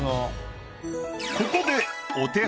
ここで。